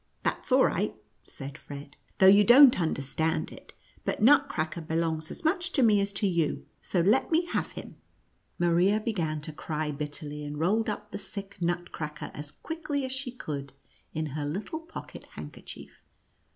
"That's all right," said Fred, "though you don't understand it. But Nutcracker belongs as much to me as to you, so let me have him." NUTCRACKEK AND MOUSE KING. 23 Maria began to cry bitterly, and rolled up the sick Nutcracker as quickly as she could in her little pocket handkerchief.